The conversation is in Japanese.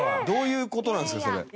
どういう事なんですか？